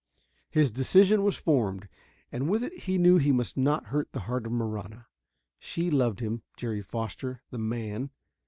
His decision was formed. And with it he knew he must not hurt the heart of Marahna. She loved him, Jerry Foster, the man.